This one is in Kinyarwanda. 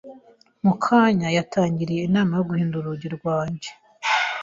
Mukama yangiriye inama yo guhindura urugi rwanjye.